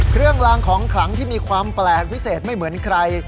เครื่องลางของขลังที่มีความแปลกพิเศษไม่เหมือนใคร